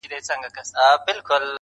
سبا او بله ورځ به-